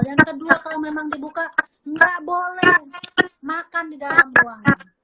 yang kedua kalau memang dibuka nggak boleh makan di dalam ruang